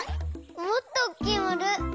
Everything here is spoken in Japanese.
もっとおっきいまる！